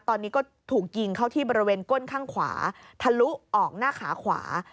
ตอนนี้ก็ถูกยิงเข้าที่บริเวณก้นข้างขวาทะลุออกหน้าขาขวา